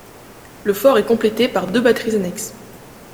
Le fort est complété par deux batteries annexes.